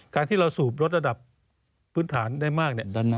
การที่เราสูบลดระดับพื้นฐานได้มาก